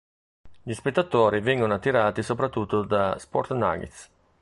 Gli spettatori vengono attirati soprattutto da "Sports Nights".